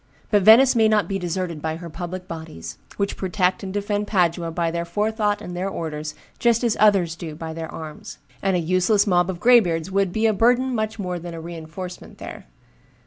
But Venice may not be deserted by her public bodies, which protect and defend Padua by their forethought and their orders just as others do by their arms; and a useless mob of graybeards would be a burden much more than a reenforcement there.